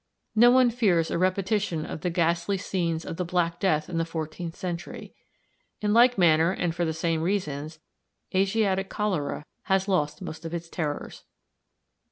No one fears a repetition of the ghastly scenes of the Black Death in the fourteenth century. In like manner, and for the same reasons, Asiatic cholera has lost most of its terrors.